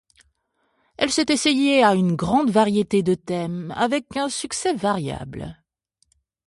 Elle s'est essayée à une grande variété de thèmes, avec un succès variable.